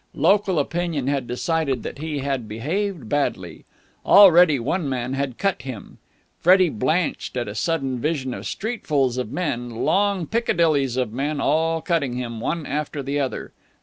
Local opinion had decided that he had behaved badly. Already one man had cut him. Freddie blenched at a sudden vision of streetfuls of men, long Piccadillys of men, all cutting him, one after the other.